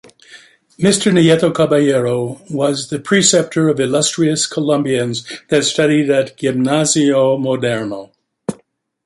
Mr. Nieto Caballero was the preceptor of illustrious Colombians that studied at Gimnasio Moderno.